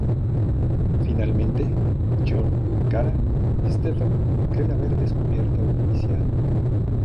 Finalmente, John, Cara y Stephen creen haber descubierto a un iniciado.